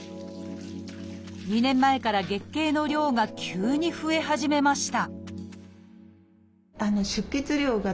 ２年前から月経の量が急に増え始めました